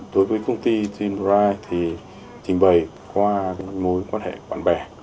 đối với công ty dream ride thì trình bày qua mối quan hệ bạn bè